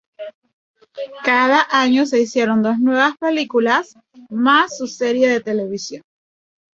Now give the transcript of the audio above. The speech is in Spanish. Cada año se hicieron dos nuevas películas, más su serie de televisión.